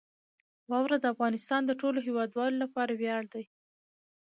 واوره د افغانستان د ټولو هیوادوالو لپاره ویاړ دی.